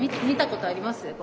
見たことあります？